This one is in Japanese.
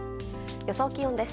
予想気温です。